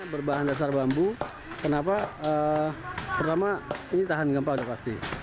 berbahan dasar bambu kenapa pertama ini tahan gempa sudah pasti